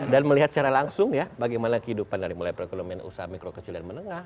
dan melihat secara langsung ya bagaimana kehidupan dari mulai perekonomian usaha mikro kecil dan menengah